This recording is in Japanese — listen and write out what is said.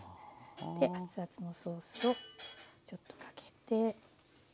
で熱々のソースをちょっとかけて。